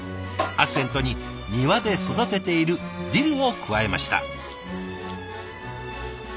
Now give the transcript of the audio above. アクセントに庭で育てているディルを加えました。